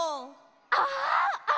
ああ！